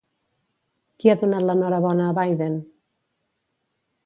Qui ha donat l'enhorabona a Biden?